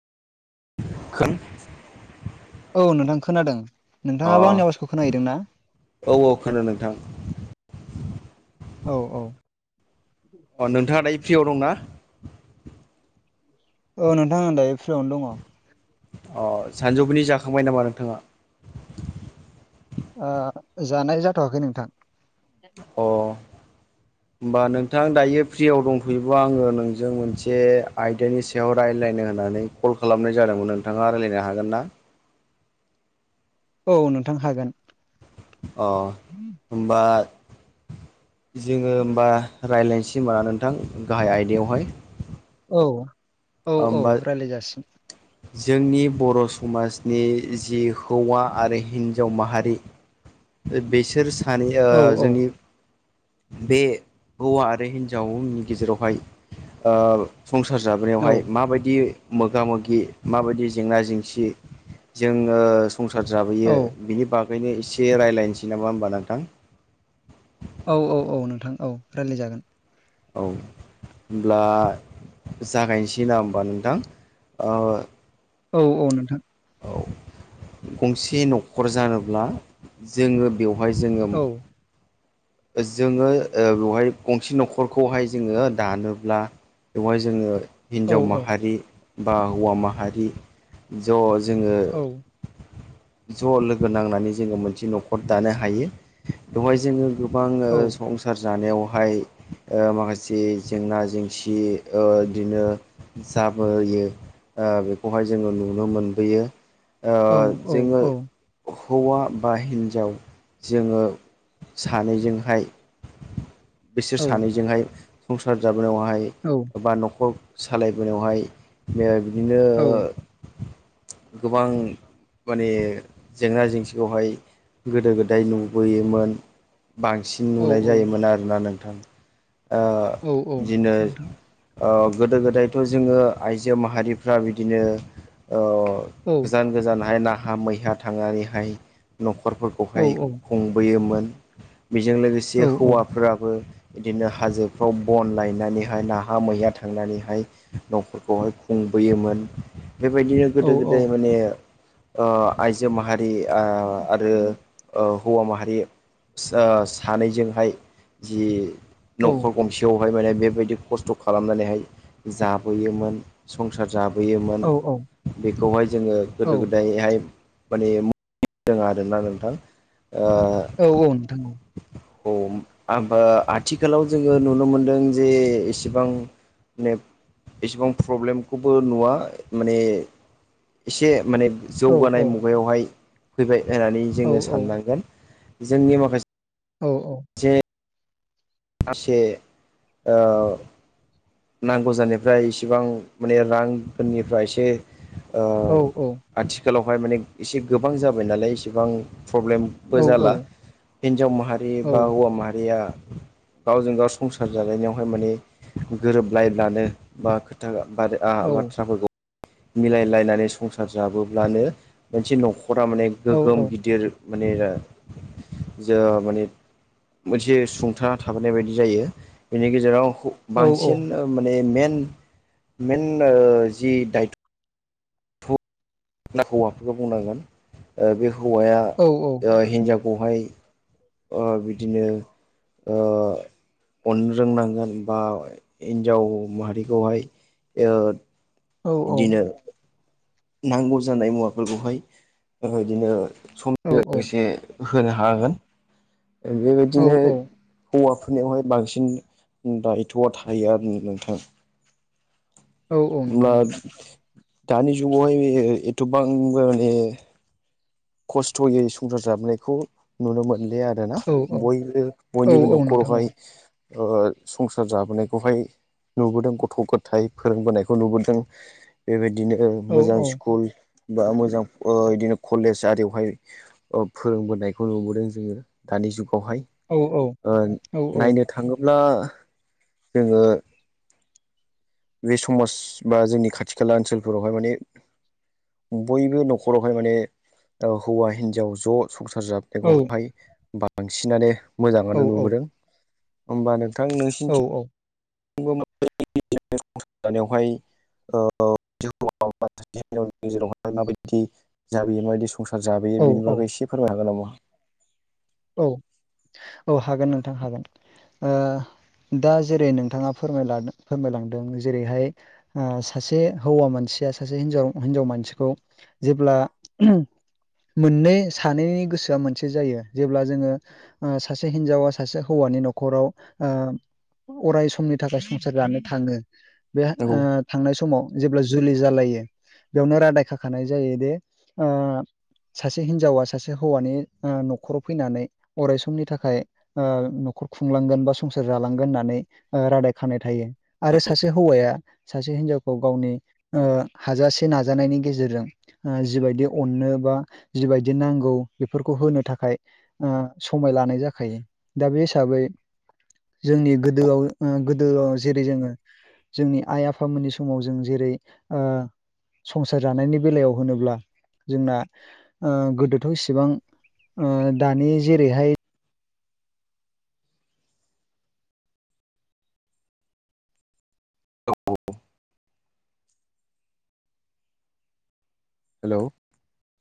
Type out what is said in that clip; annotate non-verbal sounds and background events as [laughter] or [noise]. खोन औ नोंथां खोनादों अ नोंथाङाबो आंनि आवाजखौ खोनाहैदों ना? औ औ खोनादों नोंथां। औ औ अ नोंथाङा दायो फ्रियाव दंना? औ नोंथां आं दायो फ्रिआवनो दङ। अ सानजौफुनि जाखांबाय नामा नोंथाङा? ओ जानाय जाथ'वाखै नोंथां। अ होमबा नोंथां दायो फ्रियाव दं थयोबा आङो नोंजों मोनसे आयदानि सायाव रायलायनो होननानै कल खालामनाय जादोंमोन नोंथांङा रायलायनो हागोन ना? औ नोंथां हागोन। अ होमबा जोङो होमबा रायज्लायनोसै होमबा नोंथां गाहाय आयदायावहाय। औ औ औ होमबा रायलायजासिम। जोंनि बर' समाजनि जि हौवा आरो हिन्जाव माहारि बिसोर सानै औ ओ औ जोंनि बे हौवा आरो हिन्जावनि गेजेरावहाय ओ संसार औ जाबोनायावहाय माबायदि मोगा मोगि माबायदि जेंना जेंसि जोङो संसार जाबोयो बिनि बागैनो एसे रायलायनोसै नामा होनोमबा नोंथां? औ औ औ नोंथां औ रायलायजागोन। औ होमब्ला जागायनोसै ना होनबा नोंथां ओ औ औ नोंथां। औ गंसे न'खर जानोब्ला जोङो बेवहाय जोङो औ जोङो बेवहाय गंसे न'खरखौहाय जोङो दानोब्ला बेवहाय जोङो औ हिन्जाव औ माहारि बा हौवा माहारि ज' जोङो औ ज' लोगो नांनानै जोङो मोनसे न'खर दानो हायो बेवहाय जोङो गोबां औ ओ सं सार जानायावहाय ओ माखासे जेंना जेंसि ओ इदिनो जाबोयो ओ बेखौहाय जोङो नुनो मोनबोयो। ओ औ जोङो औ हौवा बा हिन्जाव जोङो सानैजोंहाय बिसोर सानैजोंहाय संसार जाबोनायावहाय औ बा न'खर सालायबोनायावहाय ओ बिदिनो औ नोंथां ओ गोबां माने जेंना जेंसिखौहाय गोदो गोदाय नुबोयोमोन। बांसिन औ नुनाय जायोमोन आरोना नोंथां औ बिदिनो ओ गोदो गोदायथ' जोङो आइजो माहारिफ्रा बिदिनो ओ गोजान गोजानहाय नाहा मैहा थांनानैहाय औ न'खरफोरखौहाय। खुंबोयोमोन बेजों लोगोसे हौवाफोराबो। बिदिनो हाजोफ्राव बन लायनानैहाय नाहा मैया थांनानैहाय। न'फोरखौहाय खुंबोयोमोन बेबायदिनो औ गोदो गोदाय माने ओ आइजो माहारि ओ आरो हौवा माहारि। सा सानैजोंहाय जि औ न'खर गंसे। जवहाय माने बेबायदि खस्थ' खालामनानैहाय जाबोयोमोन। संसार जाबोयोमोन बेखौहाय जोङो गोदो गोदायहाय। माने रोङा आर ना नोंथां [unintelligible] औ औ नोंथां औ। औ आथिखालाव जोङो नुनो मोनदों जे एसेबां माने एसेबां प्रब्लेमखौबो नुवा माने एसे माने नोंथां औ जौगानाय मुगायावहाय फैबाय होननानै औ जोङो औ साननांगोन जोंनि माखासे औ औ जे आसे ओ नांगौ जानिफ्राय इसेबां माने रांफोरनिफ्राय एसे औ औ आथिखालावहाय माने एसे गोबां जाबाय नालाय एसेबां प्रब्लेम औ बो औ जाला हिन्जाव माहारि औ बा हौवा माहारिया गावजों गाव संसार जालायनायावहाय माने गोरोबलायबानो बा खोथा औ बाथ्राफोरखौ मिलायलायनानै संसार जाबोब्लानो मोनसे न'खरा माने औ गोग्गोम गिदिर माने जो माने मोनसे सुंथाना थाबोनाय बायदि जायो बेनि गेजेराव औ बांसिन माने मेन मेन जि दायथ' ना हौवाफोरखौ बुंनांगोन बे हौवाया हिनजावखौहाय ओ बिदिनो ओ अननो रोंनांगोन बा हिन्जाव माहारिखौहाय ओ औ औ नांगौ जानाय मुवाफोरखौहाय बिदिनो समजों लोगोसे होनो हागोन बेबायदिनो हौवाफोरनियावहाय बांसिन दायथ'आ थायो आरो नोंथां औ औ नोंथां होनब्ला दानि जुग जुगावहाय एथ'बां म माने खस्थ'यै संसार जाबोनायखौ नुनो मोनलिया आरो आरोना औ औ बयबो औ बयनिबो औ नोंथां औ न'खरावहाय ओ संसार जाबोनायखौहाय नुबोदों गथ' गथाय फोरोंबोनायखौ नुबोदों बेबायदिनो औ मोजां स्कुल बा मोजां बिदिनो कलेज जारिवहाय फोरोंबोनायखौ नुबोदों जोङो दानि जुगावहाय औ ओ औ नायनो थाङोब्ला जोङो बे समाज बा जोंनि खाथि खाला ओनसोलफोरावहाय माने बयबो न'खरावहाय माने हौवा हिनजाव ज' संसार जाबोनायखौहाय बांसिनानो औ मोजाङानो नुबोदों होमबा नोंथां नोंसिनिथि [unintelligible] मास जानायावहाय [unintelligible] गेजेरावहाय माबायदि जाबोयो माबायदि स जाबोयो औ बिनि बागै एसे फोरमाय हागोन नामा औ औ हागोन नोंथां हागोन ओ दा जेरै नोंथाङा फोरमायलादों फोरमायलांदों जेरैहाय सासे हौवा मानसिया सासे हिन्जाव हिन्जाव मानसिखौ जेब्ला मोननै सानैनि गोसोआ मोनसे जायो जेब्ला जोङो सासे हिन्जावा सासे हौवानि न'खराव अराय समनि थाखाय संसार जानो थाङो बे औ थांनाय समाव जेब्ला जुलि जालायो बेयावनो रादाय खाखानाय जायोदि सासे हिनजावा सासे हौवानि न'खराव फैनानै अराय समनि थाखाय न'खर खुंलांगोन बा संसार जालांगोन होननानै रादाय खानाय थायो आरो सासे हौवाया सासे हिनजावखौ गावनि हाजासे नाजानायनि गेजेरजों जिबायदि अननो बा जिबायदि नांगौ बेफोरखौ होनो थाखाय समाय लानाय जाखायो दा बे हिसाबै जोंनि गोदोआव गोदोआव जेरै जोङो जोंनि आइ आफामोननि समाव जों जेरै संसार जानायनि बेलायाव होनोब्ला जोंना गोदोथ' इसेबां दानि जेरैहाय औ हेल'